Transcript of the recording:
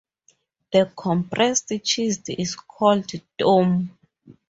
The compressed cheese is called "tome".